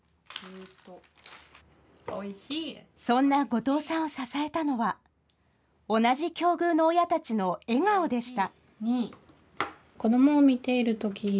そんな後藤さんを支えたのは同じ境遇の親たちの笑顔でした。